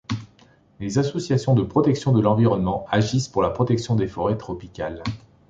Les associations de protection de l'environnement agissent pour la protection des forêts tropicales.